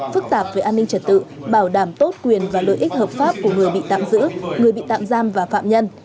phức tạp về an ninh trật tự bảo đảm tốt quyền và lợi ích hợp pháp của người bị tạm giữ người bị tạm giam và phạm nhân